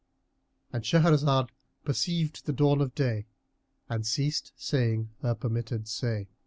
——And Shahrazad perceived the dawn of day and ceased saying her permitted say.